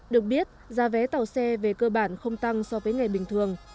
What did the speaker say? được biết giá vé tàu xe về cơ bản không tăng so với ngày bình thường